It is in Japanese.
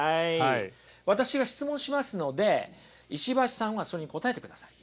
私が質問しますので石橋さんはそれに答えてください。